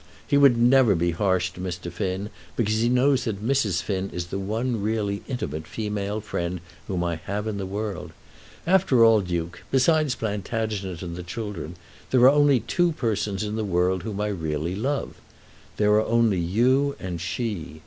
He would never be harsh to Mr. Finn, because he knows that Mrs. Finn is the one really intimate female friend whom I have in the world. After all, Duke, besides Plantagenet and the children, there are only two persons in the world whom I really love. There are only you and she.